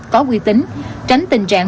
có quy tính tránh tình trạng